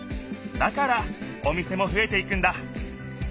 だからお店もふえていくんだ。